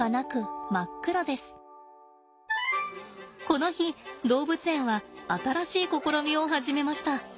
この日動物園は新しい試みを始めました。